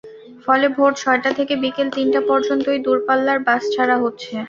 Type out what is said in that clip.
ফলে ভোর ছয়টা থেকে বিকেল তিনটা পর্যন্তই দূরপাল্লার বাস ছাড়া হচ্ছে।